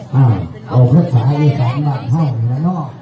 เอ้าโหพระสาวอีกสามท่าท่าวอีกแล้วเนอะ